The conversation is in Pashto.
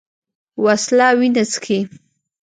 وسله وینه څښي